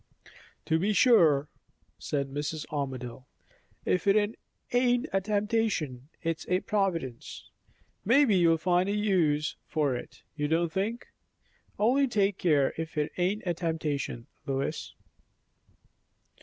"To be sure," said Mrs. Armadale; "if it ain't a temptation, it's a providence. Maybe you'll find a use for it you don't think. Only take care it ain't a temptation, Lois."